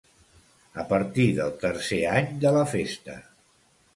A partir del tercer any de la festa.